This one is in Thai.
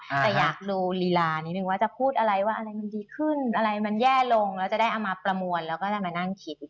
แต่อยากดูลีลานิดนึงว่าจะพูดอะไรว่าอะไรมันดีขึ้นอะไรมันแย่ลงแล้วจะได้เอามาประมวลแล้วก็ได้มานั่งคิด